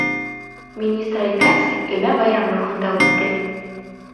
Министр әйткәнсә, өмә байрам рухында үтте.